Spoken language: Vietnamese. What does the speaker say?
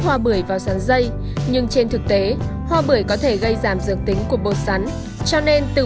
hoa bưởi vào sáng dây nhưng trên thực tế hoa bưởi có thể gây giảm dược tính của bột sắn cho nên từ